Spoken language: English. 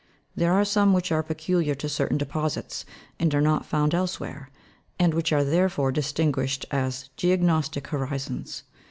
There are some which are peculiar to certain deposits, and are not found elsewhere, and which are therefore distinguished as geo gnostic horizons.